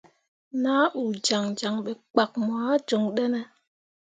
Nah uu jaŋjaŋ ɓe kpak moah joŋ ɗene.